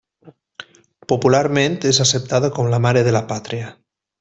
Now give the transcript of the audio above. Popularment és acceptada com la mare de la pàtria.